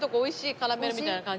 カラメルみたいな感じ。